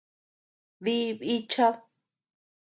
Dí bíchad.